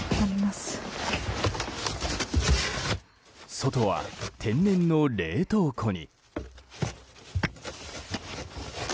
外は天然の冷凍庫に。